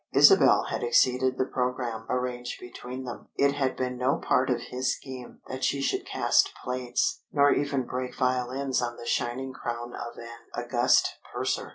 Isabel had exceeded the programme arranged between them. It had been no part of his scheme that she should cast plates, nor even break violins on the shining crown of an august purser.